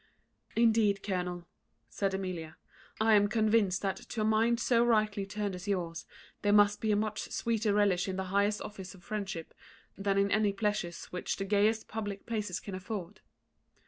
"Indeed, colonel," said Amelia, "I am convinced that to a mind so rightly turned as yours there must be a much sweeter relish in the highest offices of friendship than in any pleasures which the gayest public places can afford."